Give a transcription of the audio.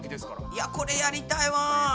いやこれやりたいわ。